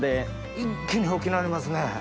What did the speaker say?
一気に大きなりますね。